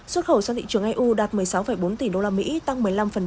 xuất khẩu sang thị trường eu đạt một mươi sáu bốn tỷ đô la mỹ tăng một mươi năm